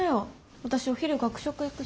私お昼学食行くし。